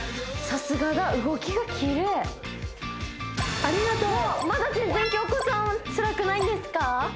さすがだ動きがきれいありがとうまだ全然京子さんはつらくないんですか？